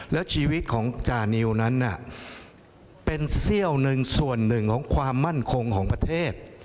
แล้วชีวิตของจานิวนั้นเป็นเซี่ยวหนึ่งส่วนหนึ่งของความมั่นคงของประเทศ